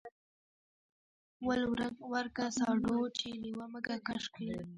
ول ورکه ساډو چې لېوه مږه کش کي.